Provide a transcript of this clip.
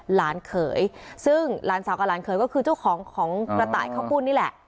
หลานเขยซึ่งหลานสาวกับหลานเขยก็คือเจ้าของของกระต่ายข้าวปุ้นนี่แหละ